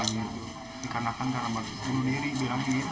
dikarenakan karena bunuh diri bilang gitu